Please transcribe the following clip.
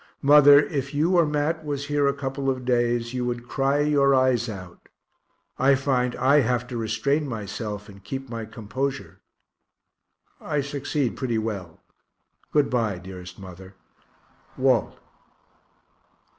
Mother, if you or Mat was here a couple of days, you would cry your eyes out. I find I have to restrain myself and keep my composure I succeed pretty well. Good bye, dearest mother. WALT.